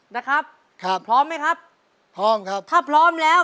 นะครับครับพร้อมไหมครับพร้อมครับถ้าพร้อมแล้ว